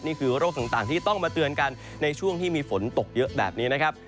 นี่คือโรคต่างที่ต้องมาเตือนกันในช่วงที่มีฝนตกเยอะแบบนี้นะครับ